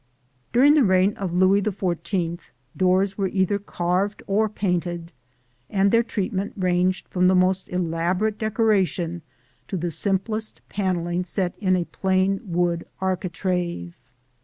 During the reign of Louis XIV, doors were either carved or painted, and their treatment ranged from the most elaborate decoration to the simplest panelling set in a plain wooden architrave.